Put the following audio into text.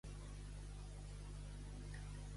Els diners del rei són curts, però segurs.